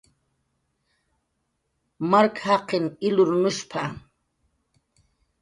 "Mark jaqin ilrunushp""a"